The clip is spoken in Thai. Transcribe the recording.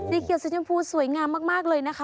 สีเขียวสัญญาพูสวยงามมากเลยนะคะ